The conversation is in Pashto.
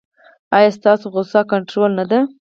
ایا ستاسو غوسه کنټرول نه ده؟